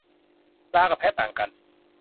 ลากับแพะต่างกัน